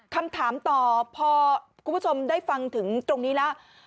คำถามต่อพอคุณผู้ชมได้ฟังถึงตรงนี้แล้ว